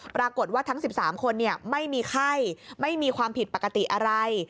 ปรากฏว่าทั้ง๑๓คนไม่มีไข้ไม่มีความผิดปกติอะไร